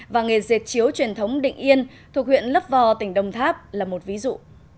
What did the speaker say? và nghề dệt chiếu truyền thống định yên thuộc huyện lấp vò tỉnh đồng tháp là một ví dụ